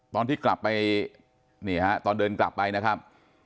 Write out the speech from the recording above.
ตอนที่กลับไปนี่ฮะตอนเดินกลับไปนะครับ